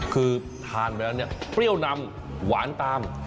คือทานไปแล้วเนี่ยเปรี้ยวนำหวานตาม